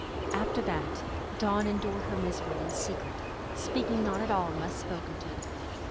After that, Dawn endured her misery in secret, speaking not at all, unless spoken to.